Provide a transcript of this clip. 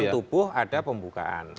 yang patah tubuh ada pembukaan